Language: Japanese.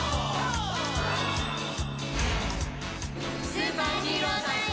スーパーヒーロータイム！